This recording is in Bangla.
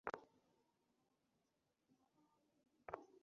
এরা মক্কার আশে-পাশের এলাকার ছিল।